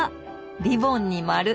リボンに丸。